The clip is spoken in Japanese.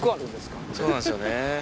そうなんですよね。